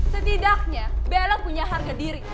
setidaknya belok punya harga diri